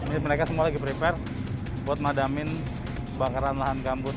ini mereka semua lagi prepare buat madamin kebakaran lahan gambut